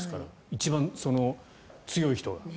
一番強い人が。